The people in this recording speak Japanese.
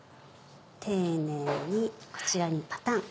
丁寧にこちらにパタン。